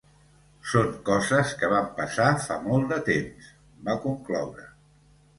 Són coses que van passar fa molt de temps, va concloure.